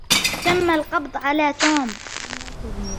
تم القبض على توم.